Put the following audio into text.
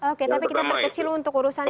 oke tapi kita perkecil untuk urusan ini